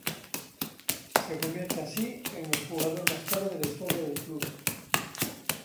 Se convierte así en el jugador más caro de la historia del club.